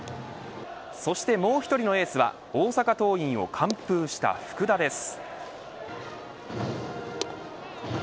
そしてもう１人のエースは大阪桐蔭を完封した福田です。